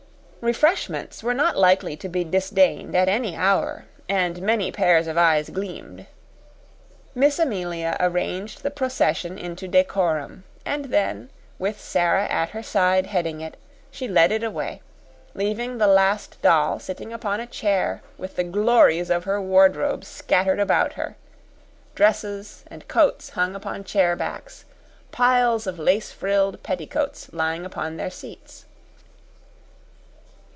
Refreshments were not likely to be disdained at any hour, and many pairs of eyes gleamed. Miss Amelia arranged the procession into decorum, and then, with Sara at her side heading it, she led it away, leaving the Last Doll sitting upon a chair with the glories of her wardrobe scattered about her; dresses and coats hung upon chair backs, piles of lace frilled petticoats lying upon their seats.